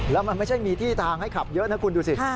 แล้วมันไม่ใช่มีที่ทางให้ขับเยอะนะคุณดูสิ